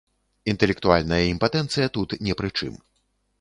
Інтэлектуальная імпатэнцыя тут не пры чым.